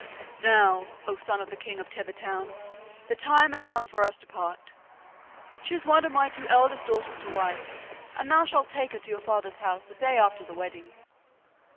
'Now, O son of the king of Tethertown, the time has come for us to part. Choose one of my two elder daughters to wife, and thou shalt take her to your father's house the day after the wedding.